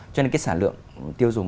cho nên cái sản lượng tiêu dùng